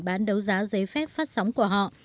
bán đấu giá giấy phép phát sóng của họ